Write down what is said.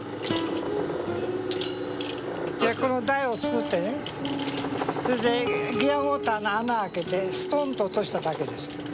この台を作ってそれでギヤモーターの穴開けてストンと落としただけです。